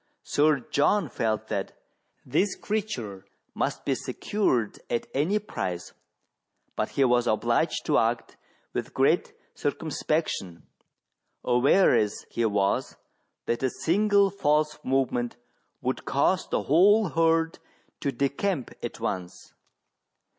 Sir John felt that this creature must be secured at any price, but he was obliged to act with great circumspection, aware as he was that a single false movement would cause the whole herd to decamp at once.